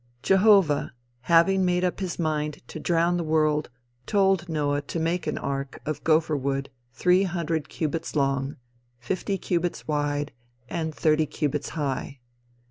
Jehovah, having made up his mind to drown the world, told Noah to make an Ark of gopher wood three hundred cubits long, fifty cubits wide and thirty cubits high.